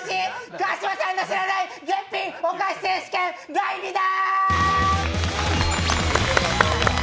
川島さんの知らない絶品お菓子選手権第２弾！